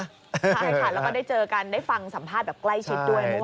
ใช่ค่ะแล้วก็ได้เจอกันได้ฟังสัมภาษณ์แบบใกล้ชิดด้วย